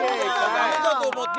ダメかと思った。